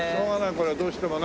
これどうしてもね。